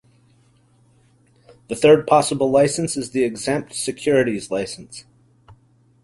The third possible license is the exempt securities license.